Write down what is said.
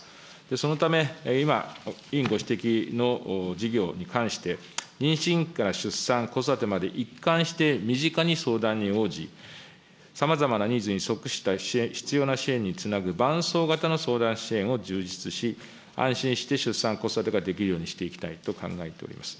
そのため今、委員ご指摘の事業に関して、妊娠期から出産、子育てまで一貫して身近に相談に応じ、さまざまなニーズに即した必要な支援につなぐ、伴走型の相談支援を充実し、安心して出産、子育てができるようにしていきたいと考えております。